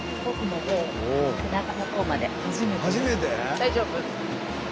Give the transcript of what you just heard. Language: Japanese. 大丈夫？